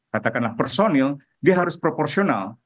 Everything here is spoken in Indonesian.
katakanlah personil dia harus proporsional